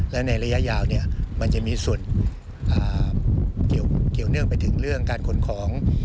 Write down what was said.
และในระยะยาวมันจะมีส่วนเกี่ยวเนื่องไปถึงเรื่องการขนของ